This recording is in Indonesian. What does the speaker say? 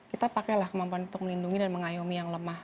kita pakailah kemampuan untuk melindungi dan mengayomi yang lemah